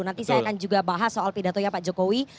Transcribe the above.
nanti saya akan juga bahas soal pidatonya pak jokowi